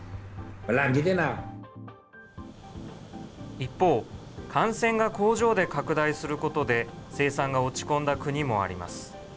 一方、感染が工場で拡大することで、生産が落ち込んだ国もあります。